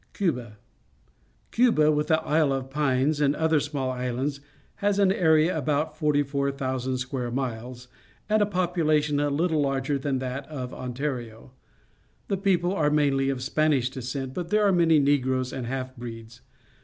'Cuba. — Cuba, with the Isle of Pines and other small islands, has an area of about 44,000 square miles, and a population a httle larger than that of Ontario. The people are mainlj' of Spanish descent, but there are many Negroes and half breeds.